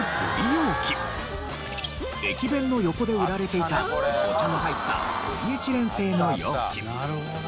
駅弁の横で売られていたお茶の入ったポリエチレン製の容器。